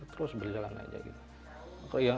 terus berjalan aja gitu